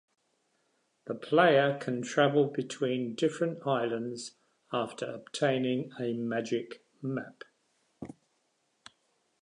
The player can travel between different islands after obtaining a magic map.